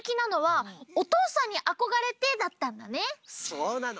そうなの。